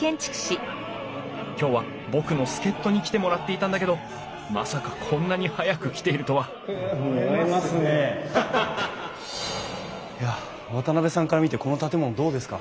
今日は僕の助っとに来てもらっていたんだけどまさかこんなに早く来ているとはいや渡さんから見てこの建物どうですか？